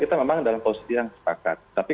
kita memang dalam posisi yang sepakat tapi